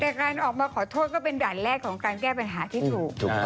แต่การออกมาขอโทษก็เป็นด่านแรกของการแก้ปัญหาที่ถูก